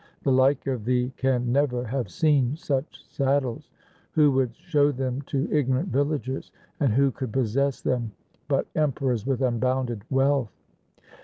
The like of thee can never have seen such saddles. Who would show them to ignorant villagers ? And who could possess them but emperors with unbounded wealth